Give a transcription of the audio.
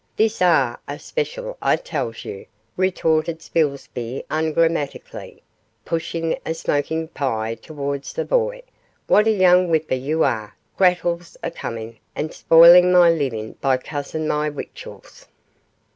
'This are a special, I tells you,' retorted Spilsby, ungrammatically, pushing a smoking pie towards the boy; 'what a young wiper you are, Grattles, a comin' and spoilin' my livin' by cussin' my wictuals.